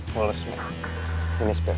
walaupun ini sepati